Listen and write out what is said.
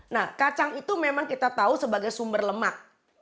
nah kacang itu memang kita tahu sebagai sumber lemak